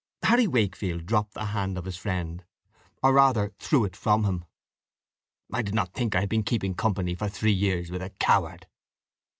Harry Wakefield dropped the hand of his friend, or rather threw it from him. "I did not think I had been keeping company for three years with a coward."